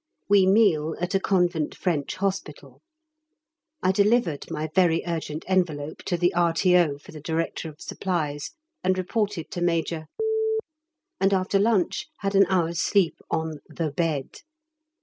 We meal at a Convent French Hospital. I delivered my "Very Urgent" envelope to the R.T.O. for the Director of Supplies, and reported to Major , and after lunch had an hour's sleep on The Bed.